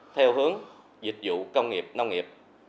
theo hướng dịch vụ công nghiệp nông nghiệp